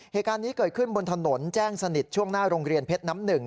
เหตุการณ์นี้เกิดขึ้นบนถนนแจ้งสนิทช่วงหน้าโรงเรียนเพชรน้ำหนึ่ง